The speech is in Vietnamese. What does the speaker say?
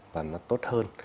và nó tốt hơn